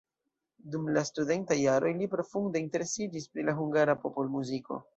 Dum la studentaj jaroj li profunde interesiĝis pri la hungara popolmuziko.